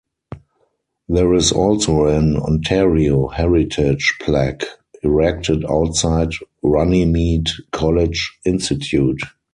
There is also an Ontario Heritage Plaque erected outside Runnymede College Institute.